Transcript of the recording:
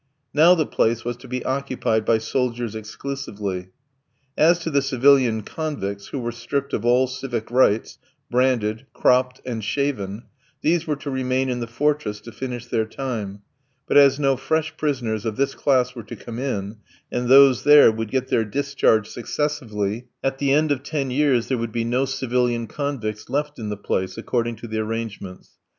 Now the place was to be occupied by soldiers exclusively. As to the civilian convicts, who were stripped of all civic rights, branded, cropped, and shaven, these were to remain in the fortress to finish their time; but as no fresh prisoners of this class were to come in, and those there would get their discharge successively, at the end of ten years there would be no civilian convicts left in the place, according to the arrangements.